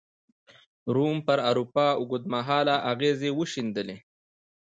روم پر اروپا اوږد مهاله اغېزې وښندلې.